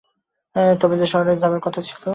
তবে যে শহরে যাবার কথা বলছিস?